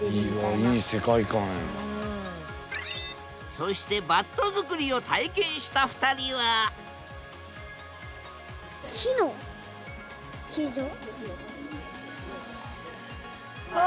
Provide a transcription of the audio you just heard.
そしてバット作りを体験した２人はわ！